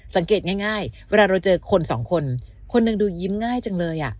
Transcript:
สังเกตง่ายเวลาเราเจอคนสองคนคนหนึ่งดูยิ้มง่ายจังเลย